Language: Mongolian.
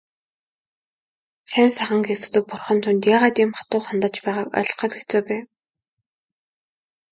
Сайн сайхан гэгддэг бурхан түүнд яагаад ийм хатуу хандаж байгааг ойлгоход хэцүү байв.